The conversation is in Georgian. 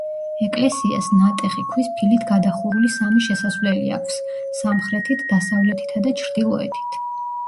ეკლესიას ნატეხი ქვის ფილით გადახურული სამი შესასვლელი აქეს: სამხრეთით, დასავლეთითა და ჩრდილოეთით.